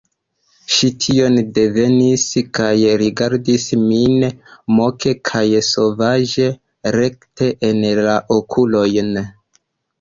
Ŝi tion divenis, kaj rigardis min moke kaj sovaĝe, rekte en la okulojn.